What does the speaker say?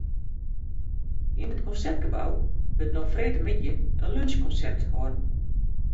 Yn it Konsertgebou wurdt no freedtemiddei in lunsjkonsert holden.